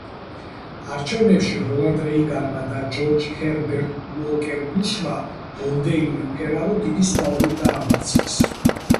არჩევნებში რონალდ რეიგანმა და ჯორჯ ჰერბერტ უოკერ ბუშმა მონდეილი-ფერარო დიდი სხვაობით დაამარცხეს.